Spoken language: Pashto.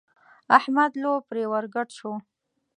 احمد لو پرې ور ګډ شو.